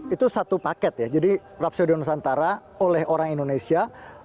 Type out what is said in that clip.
itu satu paket ya jadi rapsio di nusantara oleh orang indonesia